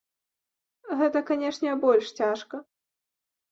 Гэта, канешне, больш цяжка.